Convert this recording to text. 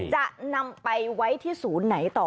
จะนำไปไว้ที่ศูนย์ไหนต่อ